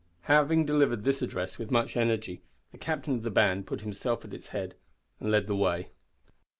Having delivered this address with much energy, the captain of the band put himself at its head and led the way.